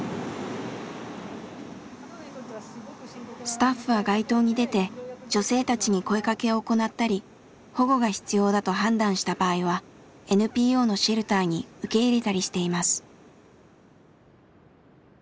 スタッフは街頭に出て女性たちに声かけを行ったり保護が必要だと判断した場合はＮＰＯのシェルターに受け入れたりしています。